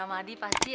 umi silahkan duduk